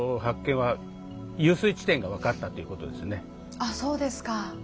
あっそうですか。